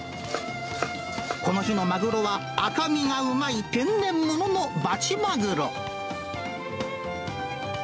この日のマグロは赤身がうまい天然物のバチマグロ。